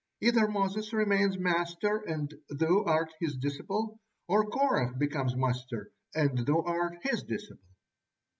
Either Moses remains master and thou art his disciple, or Korah becomes master and thou art his disciple."